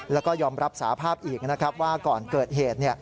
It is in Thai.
แล้วก็ยอมรับสาภาพอีกนะครับว่าก่อนเกิดเหตุ